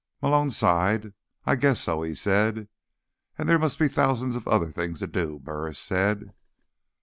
Malone sighed. "I guess so," he said. "And there must be thousands of other things to do," Burris said.